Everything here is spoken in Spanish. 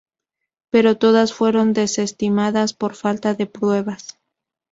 Pero todas fueron desestimadas por falta de pruebas.